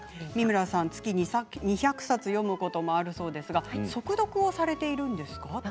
月に２００冊読むこともあるそうですが速読をされているんですか？